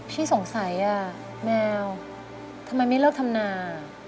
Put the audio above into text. พี่สงสัยอ่ะแมวทำไมไม่เลิกทำนา